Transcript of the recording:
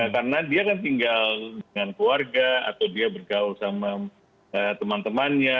karena dia kan tinggal dengan keluarga atau dia bergaul sama teman temannya